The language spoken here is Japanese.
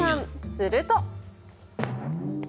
すると。